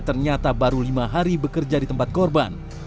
ternyata baru lima hari bekerja di tempat korban